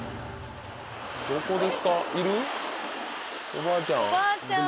おばあちゃん？